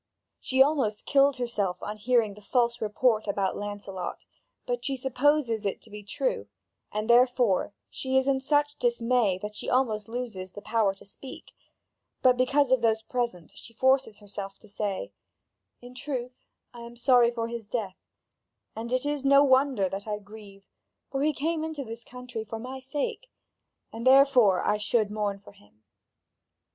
She almost killed herself on hearing the false report about Lancelot, but she supposes it to be true, and therefore she is in such dismay that she almost loses the power to speak; but, because of those present, she forces herself to say: "In truth, I am sorry for his death, and it is no wonder that I grieve, for he came into this country for my sake, and therefore I should mourn for him."